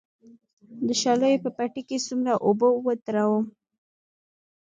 د شالیو په پټي کې څومره اوبه ودروم؟